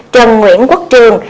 trần nguyễn quốc trường